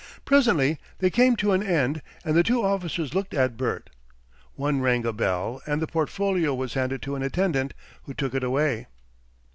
Presently they came to an end, and the two officers looked at Bert. One rang a bell, and the portfolio was handed to an attendant, who took it away.